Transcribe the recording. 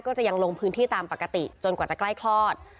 ก็ยังลงพื้นที่ตามปกติจนกว่าจะใกล้คลอด